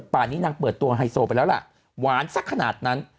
ป่านี้นางเปิดตัวไฮโซไปแล้วล่ะหวานสักขนาดนั้น